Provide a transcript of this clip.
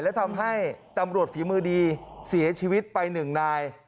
และทำให้ตำรวจฝีมือดีเสียชีวิตไปหนึ่งนาย